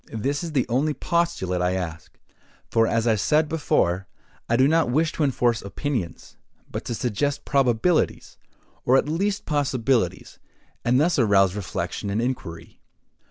This is the only postulate I ask; for, as I said before, I do not wish to enforce opinions, but to suggest probabilities, or at least possibilities, and thus arouse reflection and inquiry.